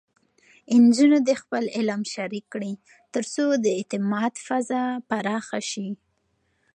نجونې خپل علم شریک کړي، ترڅو د اعتماد فضا پراخه شي.